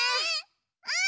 うん！